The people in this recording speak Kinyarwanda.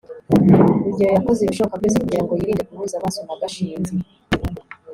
rugeyo yakoze ibishoboka byose kugirango yirinde guhuza amaso na gashinzi